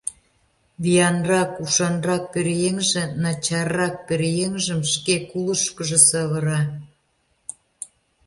Виянрак, ушанрак пӧръеҥже начаррак пӧръеҥжым шке кулышкыжо савыра.